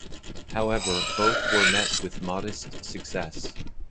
However both were met with modest success.